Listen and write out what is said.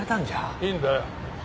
いいんだよ。